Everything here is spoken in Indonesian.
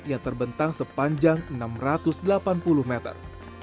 yang terbentang sepanjang enam ratus delapan puluh meter